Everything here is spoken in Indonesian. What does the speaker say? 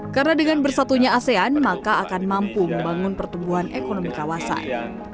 karena dengan bersatunya asean maka akan mampu membangun pertumbuhan ekonomi kawasan